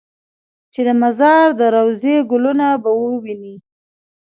چې د مزار د روضې ګلونه به ووینې.